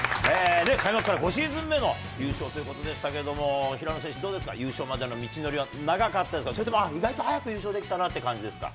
開幕から５シーズン目の優勝ということでしたけども、平野選手、どうですか、優勝までの道のりは長かったですか、それともあっ、意外と早く優勝できたなっていう感じですか？